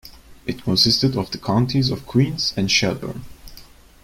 It consisted of the counties of Queens and Shelburne.